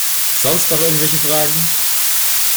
Sonst noch irgendwelche Fragen?